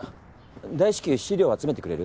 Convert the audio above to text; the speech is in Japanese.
大至急資料集めてくれる？